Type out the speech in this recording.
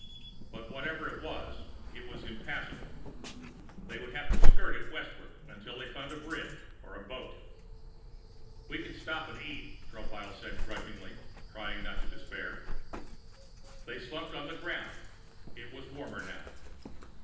But whatever it was, it was impassable. They would have to skirt it westward until they found a bridge or a boat. "We can stop and eat," Tropile said grudgingly, trying not to despair. They slumped to the ground. It was warmer now.